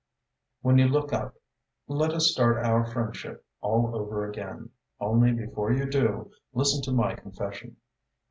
... When you look up, let us start our friendship all over again, only before you do, listen to my confession.